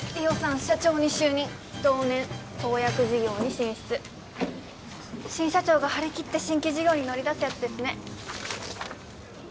社長に就任同年創薬事業に進出新社長が張り切って新規事業に乗り出すやつですね